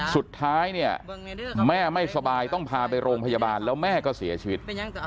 สุดท้ายเนี่ยแม่ไม่สบายต้องพาไปโรงพยาบาลแล้วแม่ก็เสียชีวิต